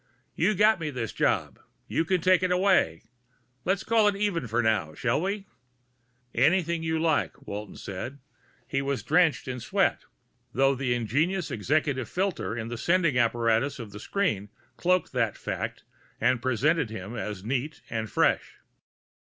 "You got me this job. You can take it away. Let's call it even for now, shall we?" "Anything you like," Walton said. He was drenched in sweat, though the ingenious executive filter in the sending apparatus of the screen cloaked that fact and presented him as neat and fresh.